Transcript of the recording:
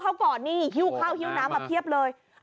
เข้ากอดนี่ฮิ่ว้าคลิ่วน้ำมาเพียบเลย